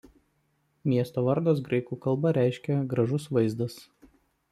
Miesto vardas graikų kalba reiškia „gražus vaizdas“.